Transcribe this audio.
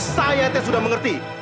saya yang sudah mengerti